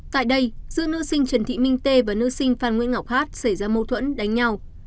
tại đây giữa nữ sinh trần thị minh tê và nữ sinh phan nguyễn ngọc hát xảy ra mâu thuẫn đánh nhau